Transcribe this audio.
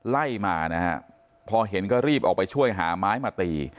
ไล่มานะฮะพอเห็นก็รีบออกไปช่วยหาไม้มาตี